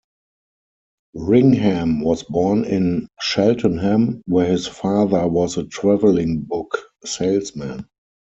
Ringham was born in Cheltenham where his father was a travelling book salesman.